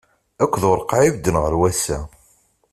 Akk d ureqqeɛ i ibedden ɣer wass-a.